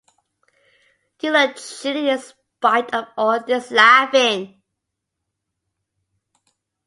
You look chilly in spite of all this laughing.